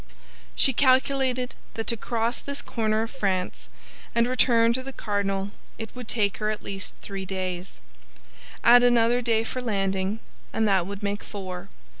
She calculated that to cross this corner of France and return to the cardinal it would take her at least three days. Add another day for landing, and that would make four.